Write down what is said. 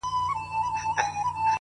o سیاه پوسي ده ـ ماسوم یې ژاړي ـ